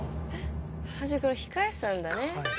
原宿の控え室なんだね。